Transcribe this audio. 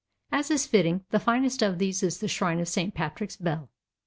As is fitting, the finest of these is the Shrine of St. Patrick's Bell.